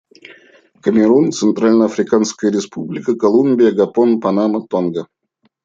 Камерун, Центральноафриканская Республика, Колумбия, Габон, Панама, Тонга.